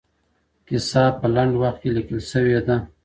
کیسه په لنډ وخت کې لیکل شوې ده.